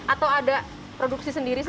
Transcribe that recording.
atau ada produksi sendiri